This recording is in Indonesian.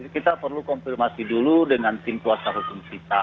kita perlu konfirmasi dulu dengan tim kuasa hukum kita